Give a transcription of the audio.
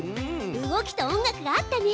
動きと音楽が合ったね！